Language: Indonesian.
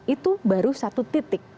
itu baru satu titik